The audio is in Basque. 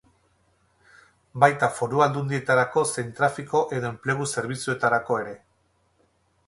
Baita Foru Aldundietarako zein trafiko edo enplegu zerbitzuetarako ere.